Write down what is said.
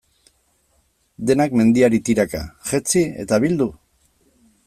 Denak mendiari tiraka, jetzi eta bildu?